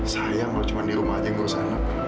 sayang kalau cuma di rumah aja yang bursa